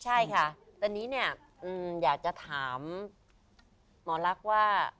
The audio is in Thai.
ใช่ค่ะตอนนี้เนี่ยอยากจะถามหมอลักษณ์ว่า